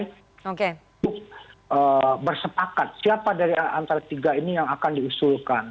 untuk bersepakat siapa dari antara tiga ini yang akan diusulkan